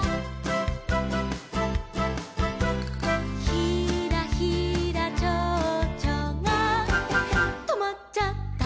「ひらひらちょうちょがとまっちゃった」